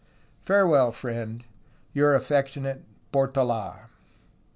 Farewell, friend. "Your affectionate "PORTOLA."